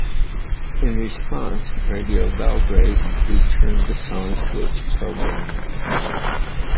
In response, Radio Belgrade returned the song to its programming.